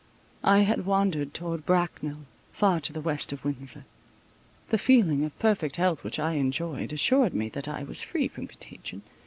I had wandered towards Bracknel, far to the west of Windsor. The feeling of perfect health which I enjoyed, assured me that I was free from contagion.